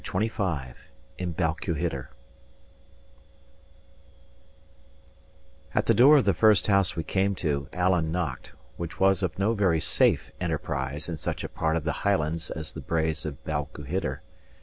CHAPTER XXV IN BALQUHIDDER At the door of the first house we came to, Alan knocked, which was of no very safe enterprise in such a part of the Highlands as the Braes of Balquhidder.